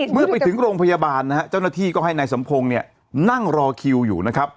เมื่อไปถึงโรงพยาบาลนะฮะเจ้าหน้าที่ก็ให้นายสมพงศ์เนี่ยนั่งรอคิวอยู่นะครับ